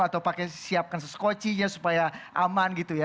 atau siapkan seskocinya supaya aman gitu ya